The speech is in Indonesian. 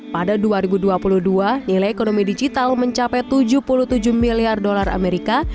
pada dua ribu dua puluh dua nilai ekonomi digital mencapai tujuh puluh tujuh miliar dolar amerika